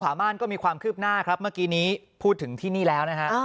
ม่านก็มีความคืบหน้าครับเมื่อกี้นี้พูดถึงที่นี่แล้วนะฮะ